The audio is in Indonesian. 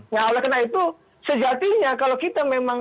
nah oleh karena itu sejatinya kalau kita memang